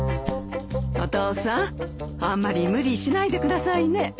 お父さんあんまり無理しないでくださいね。